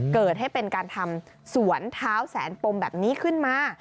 เกิดให้เป็นการทำสวนเท้าแสนปมแบบนี้ขึ้นมา